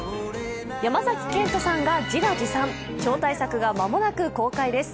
山崎賢人さんが自画自賛、超大作が間もなく公開です。